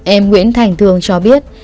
em nguyễn thành thương cho biết